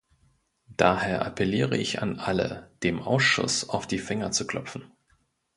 Daher appelliere ich an alle, dem Ausschuss auf die Finger zu klopfen.